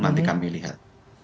nanti kami lihat